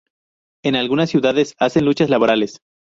En algunas ciudades, hacen luchas laborales.